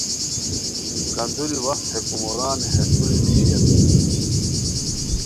کندوری وخت ہے کوموران ہے دوری نیشی اسونی